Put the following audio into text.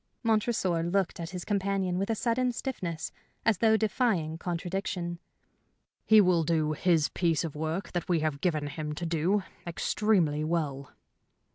Montresor looked at his companion with a sudden stiffness, as though defying contradiction. "He will do this piece of work that we have given him to do extremely well."